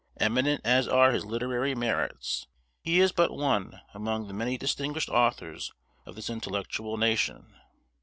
Eminent as are his literary merits, he is but one among the many distinguished authors of this intellectual nation.